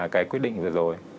cái quyết định vừa rồi